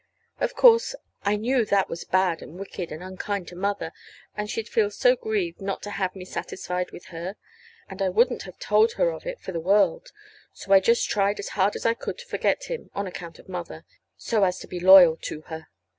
Of course, I knew that that was bad and wicked and unkind to Mother, and she'd feel so grieved not to have me satisfied with her. And I wouldn't have told her of it for the world. So I tried just as hard as I could to forget him on account of Mother, so as to be loyal to her.